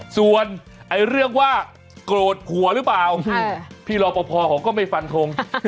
ส่วนเรื่องว่าโกรธผัวหรือเปล่าพี่รอปภเขาก็ไม่ฟันทง